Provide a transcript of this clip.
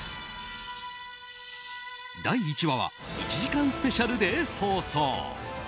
第１話は１時間スペシャルで放送。